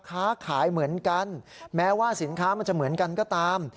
ค้าขายเหมือนกันแม้ว่าสินค้ามันจะเหมือนกันก็ตาม